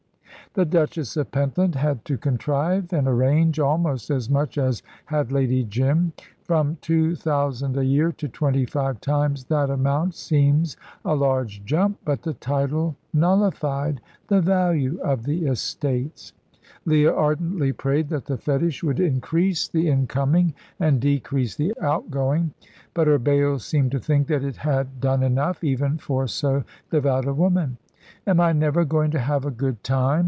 The Duchess of Pentland had to contrive and arrange almost as much as had Lady Jim. From two thousand a year to twenty five times that amount seems a large jump, but the title nullified the value of the estates. Leah ardently prayed that the fetish would increase the incoming and decrease the outgoing, but her Baal seemed to think that it had done enough, even for so devout a woman. "Am I never going to have a good time?"